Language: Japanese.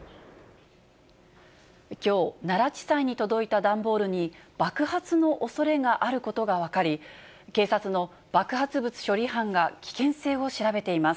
きょう、奈良地裁に届いた段ボールに、爆発のおそれがあることが分かり、警察の爆発物処理班が危険性を調べています。